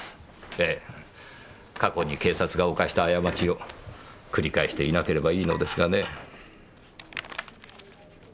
ええ過去に警察が犯した過ちを繰り返していなければいいのですがね。